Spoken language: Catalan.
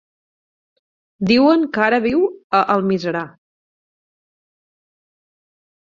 Diuen que ara viu a Almiserà.